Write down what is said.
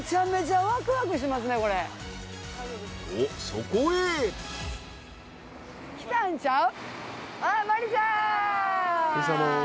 ［とそこへ］来たんちゃう？